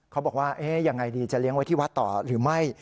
เขาบอกว่ายังไงดีจะเลี้ยงไว้ที่วัดต่อหรือไม่